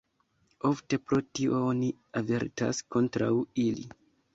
Ofte pro tio oni avertas kontraŭ ili.